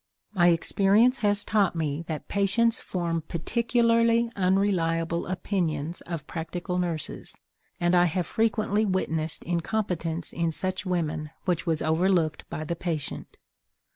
My experience has taught me that patients form particularly unreliable opinions of practical nurses, and I have frequently witnessed incompetence in such women which was overlooked by the patient.